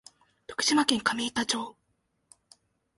徳島県上板町